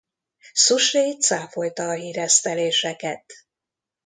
Suchet cáfolta a híreszteléseket.